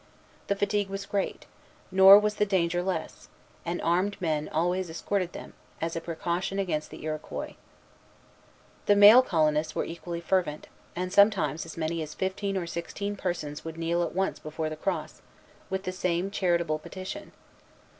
The fatigue was great; nor was the danger less; and armed men always escorted them, as a precaution against the Iroquois. The male colonists were equally fervent; and sometimes as many as fifteen or sixteen persons would kneel at once before the cross, with the same charitable petition.